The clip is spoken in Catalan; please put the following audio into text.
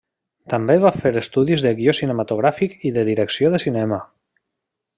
També va fer estudis de guió cinematogràfic i de direcció de cinema.